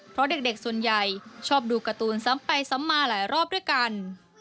เพราะเด็กส่วนใหญ่ชอบดูการ์ตูนซ้ำไปซ้ำมาหลายรอบด้วยกัน